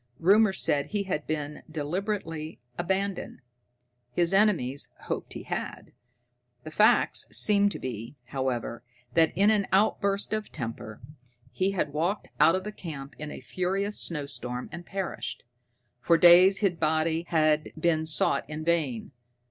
Rumor said he had been deliberately abandoned. His enemies hoped he had. The facts seemed to be, however, that in an outburst of temper he had walked out of camp in a furious snowstorm and perished. For days his body had been sought in vain.